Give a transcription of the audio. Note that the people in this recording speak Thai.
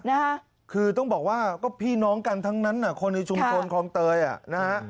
ใช่ค่ะคือต้องบอกว่าก็พี่น้องกันทั้งนั้นคนในชุมชนครองเตยน่ะ